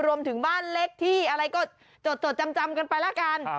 รวมถึงบ้านเล็กที่อะไรก็จดจำกันไปละกัน